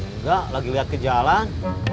enggak lagi lihat ke jalan